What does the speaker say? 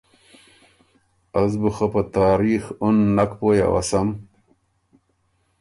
از بُو خه په تاریخ اُن نک پویٛ اؤسم